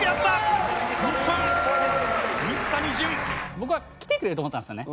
僕は来てくれると思ったんですよね